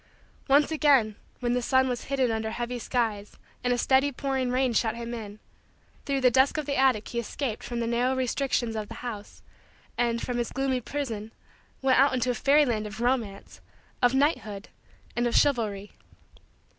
Once again, when the sun was hidden under heavy skies and a steady pouring rain shut him in, through the dusk of the attic he escaped from the narrow restrictions of the house, and, from his gloomy prison, went out into a fairyland of romance, of knighthood, and of chivalry.